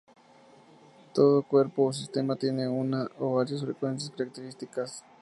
Todo cuerpo o sistema tiene una, o varias, frecuencias características.